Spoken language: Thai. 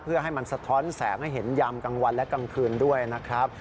เพื่อให้มันสะท้อนแสงให้เห็นยามกลางวันและกลางคืนด้วยนะครับ